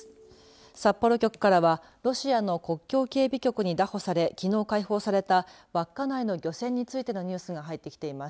札幌局からはロシアの国境警備局に拿捕されきのう解放された稚内の漁船についてのニュースが入ってきています。